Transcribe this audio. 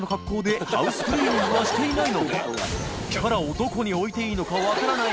礇礇蕕どこに置いていいのか分からない